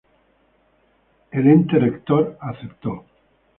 El ente rector aceptó.